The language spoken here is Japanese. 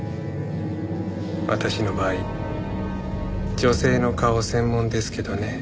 私の場合女性の顔専門ですけどね。